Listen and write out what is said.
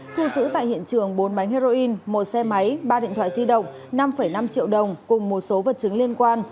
thu giữ tại hiện trường bốn bánh heroin một xe máy ba điện thoại di động năm năm triệu đồng cùng một số vật chứng liên quan